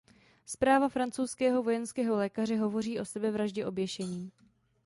Zpráva francouzského vojenského lékaře hovoří o sebevraždě oběšením.